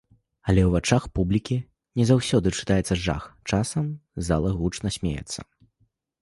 Але ў вачах публікі не заўсёды чытаецца жах, часам зала гучна смяецца.